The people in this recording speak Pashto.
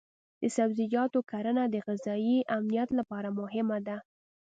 د سبزیجاتو کرنه د غذایي امنیت لپاره مهمه ده.